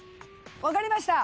分かりました。